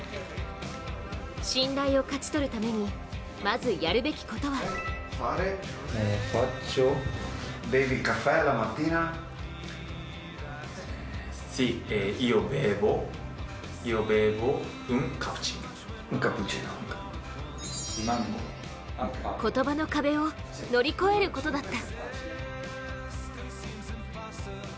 信頼を勝ち取るためにまずやるべきことは言葉の壁を乗り越えることだった。